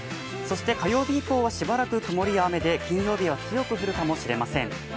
そして火曜日以降はしばらく曇りや雨で金曜日は強く降るかもしれません。